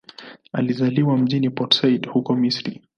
Alizaliwa mjini Port Said, huko Misri.